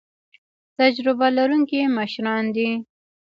تجربه لرونکي مشران دي